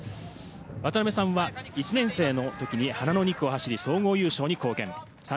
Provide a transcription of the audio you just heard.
渡辺さんは１年生の時に花の２区を走り、総合優勝に貢献。